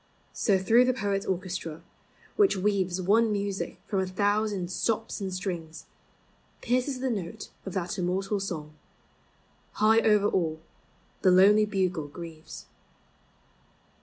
So through the poets' orchestra, which v One music from a thousand stops and strings, 2U POEMS OF SENTIMENT. Pierces the note of that immortal song :" High over all the lonely bugle grieves."